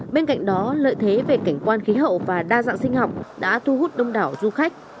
bên cạnh đó lợi thế về cảnh quan khí hậu và đa dạng sinh học đã thu hút đông đảo du khách